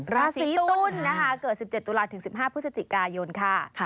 ราศีตุลนะคะเกิด๑๗ตุลาถึง๑๕พฤศจิกายนค่ะ